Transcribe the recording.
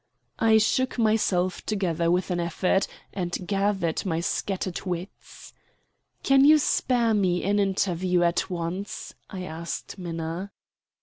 I shook myself together with an effort and gathered my scattered wits. "Can you spare me an interview at once?" I asked Minna.